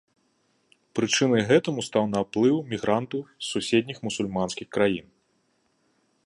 Прычынай гэтаму стаў наплыў мігрантаў з суседнім мусульманскіх краін.